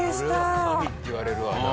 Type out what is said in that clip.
これは神って言われるわな。